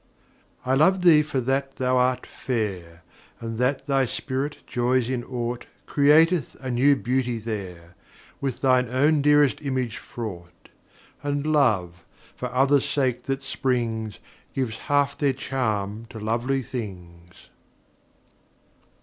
I love thee for that thou art fair; And that thy spirit joys in aught Createth a new beauty there, With throe own dearest image fraught; And love, for others' sake that springs, Gives half their charm to lovely things.